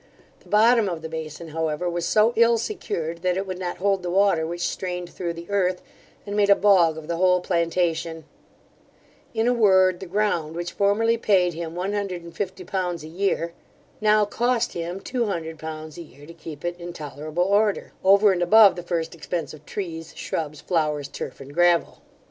The bottom of the bason, however, was so ill secured, that it would not hold the water which strained through the earth, and made a bog of the whole plantation: in a word, the ground which formerly payed him one hundred and fifty pounds a year, now cost him two hundred pounds a year to keep it in tolerable order, over and above the first expence of trees, shrubs, flowers, turf, and gravel.